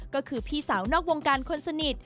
ก็คือพี่สาวนอกวงการคนสนิท